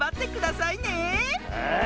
はい。